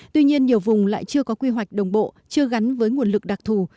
tuy nhiên nhiều vùng lại chưa có quy hoạch đồng bộ chưa gắn với nguồn lực đặc thù